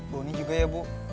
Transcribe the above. bonny juga ya ibu